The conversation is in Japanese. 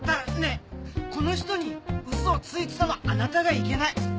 この人にウソをついてたのはあなたがいけない。